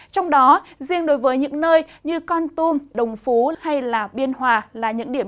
trong đó riêng đối với những nơi như con tum đồng phú hay biên hòa là những điểm